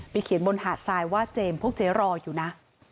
เขียนบนหาดทรายว่าเจมส์พวกเจ๊รออยู่นะ